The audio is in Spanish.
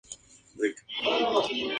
La fecha precisa de la obra es desconocida.